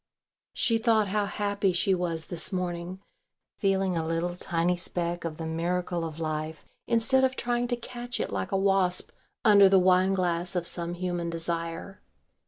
She thought how happy she was this morning, feeling a little tiny speck of the miracle of life instead of trying to catch it like a wasp under the wine glass of some human desire.